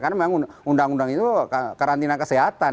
karena memang undang undang itu karantina kesehatan